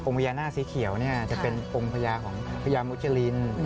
องค์พญานาคสีเขียวจะเป็นองค์พญาของพญามุจริน